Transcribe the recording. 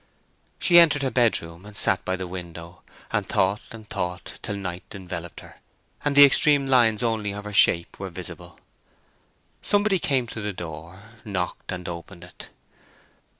She entered her bedroom and sat by the window, and thought and thought till night enveloped her, and the extreme lines only of her shape were visible. Somebody came to the door, knocked, and opened it.